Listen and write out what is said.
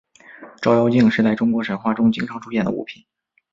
照妖镜是在中国神话中经常出现的物品。